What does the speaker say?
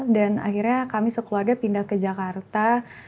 dan akhirnya kami sekeluarnya pindah ke jakarta